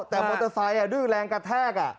แต่มอเตอร์ไซค์ด้วยแรงกระแทก